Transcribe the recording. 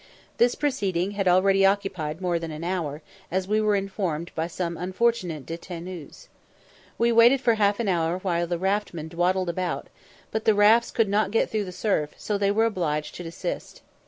This proceeding had already occupied more than an hour, as we were informed by some unfortunate détenus. We waited for half an hour while the raftmen dawdled about it, but the rafts could not get through the surf, so they were obliged to desist.